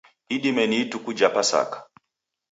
Idime ni ituku jha pasaka